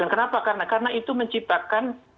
kenapa karena itu menciptakan